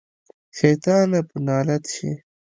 شيطانه په نالت شې.